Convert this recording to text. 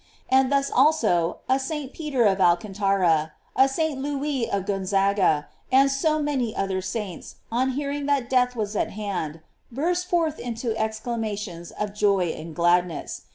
And thus, also, a St. Peter of Alcantara, a St. Louis of Gonzaga, and so many other saints, on hear ing that death was at hand, burst forth into ex clamations of joy and gladness.